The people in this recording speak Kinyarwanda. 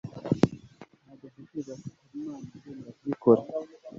ntabwo ntekereza ko habimana azemera kubikora